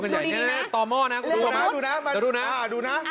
อ่ะแล้วดูดีนะตอม่อนะดูนะดูนะ